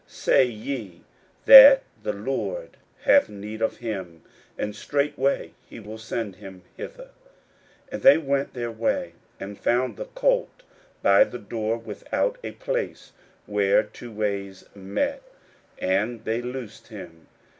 say ye that the Lord hath need of him; and straightway he will send him hither. 41:011:004 And they went their way, and found the colt tied by the door without in a place where two ways met; and they loose him.